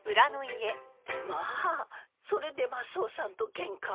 まあそれでマスオさんとケンカを？